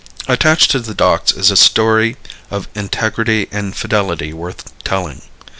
Attached to the docks is a story of integrity and fidelity worth telling.